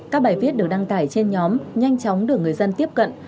các bài viết được đăng tải trên nhóm nhanh chóng được người dân tiếp cận